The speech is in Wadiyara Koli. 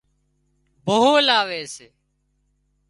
ڀوهه لاوي سي